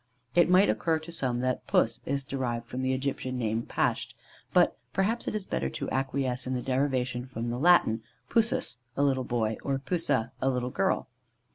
It might occur to some, that "Puss" is derived from the Egyptian name, Pasht; but perhaps it is better to acquiesce in the derivation from the Latin, Pusus (a little boy), or Pusa (a little girl).